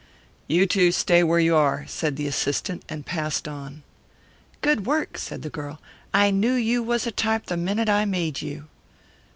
"You two stay where you are," said the assistant, and passed on. "Good work," said the girl. "I knew you was a type the minute I made you."